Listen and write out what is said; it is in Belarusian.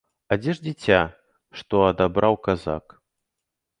А дзе ж дзіця, што адабраў казак?